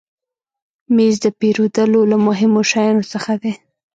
مېز د پیرودلو له مهمو شیانو څخه دی.